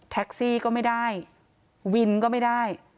แท็กซี่ก็ไม่ได้วินก็ไม่ได้